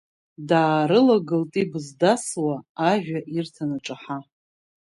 Даарылагылт ибз дасуа, ажәа ирҭан аҿаҳа.